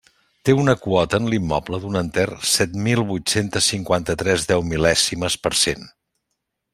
Té una quota en l'immoble d'un enter, set mil vuit-centes cinquanta-tres deumil·lèsimes per cent.